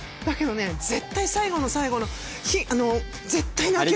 だけどね絶対最後の最後のひあのう絶対に。